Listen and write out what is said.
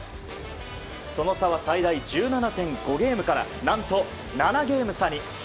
その差は最大１７．５ゲームから何と７ゲーム差に。